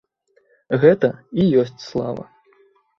Гэта і ёсць слава.